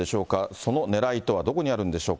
そのねらいとはどこにあるんでしょうか。